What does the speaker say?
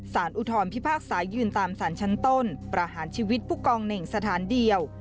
อุทธรพิพากษายืนตามสารชั้นต้นประหารชีวิตผู้กองเหน่งสถานเดียว